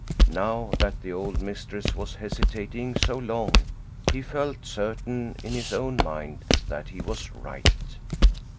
Now that the old mistress was hesitating so long he felt certain in his own mind that he was right.